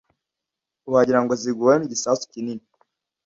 wagira ngo ziguweho n igisasu kinini